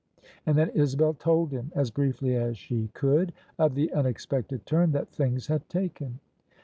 And then Isabel told him, as briefly as she could, of the unexpected turn that things had taken.